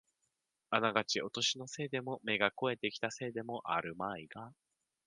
あながちお年のせいでも、目が肥えてきたせいでもあるまいが、